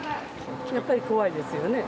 やっぱり怖いですよね。